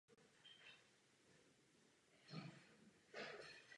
Je přirozeně rozšířena v nížinách Jižní Ameriky.